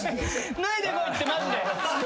脱いでこいってマジで。